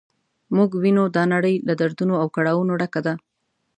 موږ وینو دا نړۍ له دردونو او کړاوونو ډکه ده.